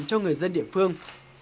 cho người dân địa phương